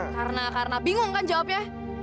karena karena bingung kan jawabnya